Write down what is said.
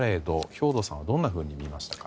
兵頭さんはどんなふうに見ましたか？